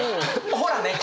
ほらね！